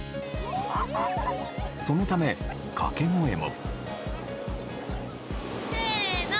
そのため、掛け声も。